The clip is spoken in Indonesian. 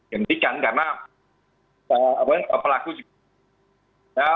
yang penting kan karena pelaku juga